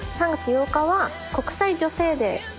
「３月８日は国際女性デー。